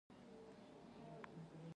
نعماني صاحب ما ته وکتل.